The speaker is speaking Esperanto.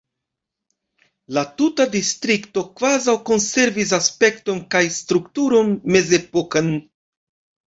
La tuta distrikto kvazaŭ konservis aspekton kaj strukturon mezepokan.